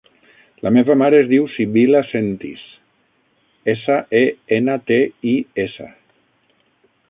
La meva mare es diu Sibil·la Sentis: essa, e, ena, te, i, essa.